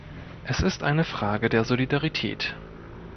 Es ist eine Frage der Solidarität.